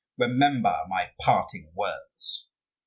Remember my parting words."